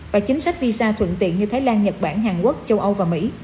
và chính sách visa thuận tiện như thái lan nhật bản hàn quốc châu âu và mỹ